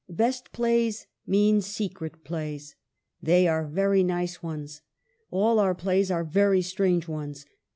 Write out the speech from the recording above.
Best plays mean secret plays ; they are very nice ones. All our plays are very strange ones.